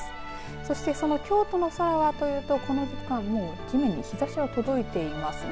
そして、京都の空はというとこの時間、地面に日ざしが届いていますね。